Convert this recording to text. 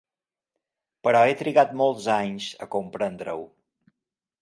Però he trigat molts anys a comprendre-ho.